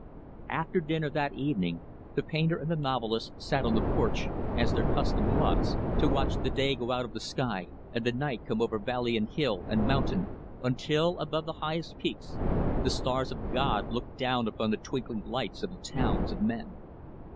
After dinner, that evening, the painter and the novelist sat on the porch as their custom was to watch the day go out of the sky and the night come over valley and hill and mountain until, above the highest peaks, the stars of God looked down upon the twinkling lights of the towns of men.